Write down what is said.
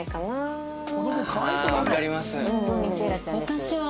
私は。